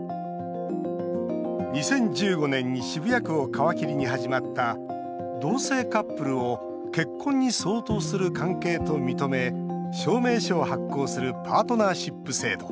２０１５年に渋谷区を皮切りに始まった同性カップルを結婚に相当する関係と認め証明書を発行するパートナーシップ制度。